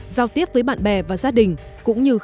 giao tiếp với bạn bè và gia đình